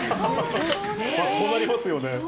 そうなりますよね。